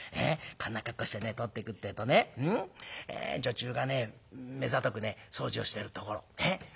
こんな格好してね通っていくってえとね女中がね目ざとくね掃除をしてると私を見つけるんだ。